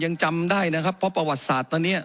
ยังจำได้นะครับเพราะประวัติศาสตร์ตอนนี้